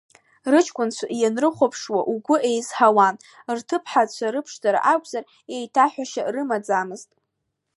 Рыҷкәынцәа ианрыхәаԥшуа угәы еизҳауан, рҭыԥҳацәа рыԥшӡара акәзар, еиҭаҳәашьа рымаӡамызт.